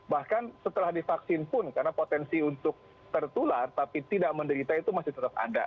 bahkan setelah divaksin pun karena potensi untuk tertular tapi tidak menderita itu masih tetap ada